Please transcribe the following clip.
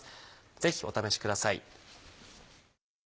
ぜひお試しください。